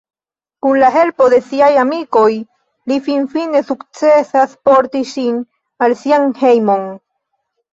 Kun la helpo de siaj amikoj, li finfine sukcesas porti ŝin al sian hejmon.